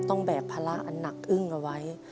ต้องแบกภาระอันดังอึ้งเอาไว้